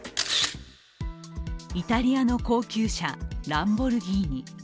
イタリアの高級車、ランボルギーニ。